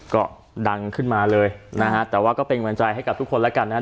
ก็ดังขึ้นมาเลยนะฮะแต่ว่าก็เป็นกำลังใจให้กับทุกคนแล้วกันนะฮะ